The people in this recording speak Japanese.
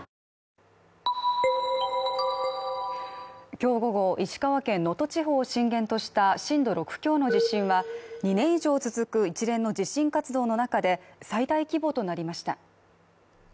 今日午後、石川県能登地方を震源とした震度６強の地震は２年以上続く一連の地震活動の中で最大規模となりました。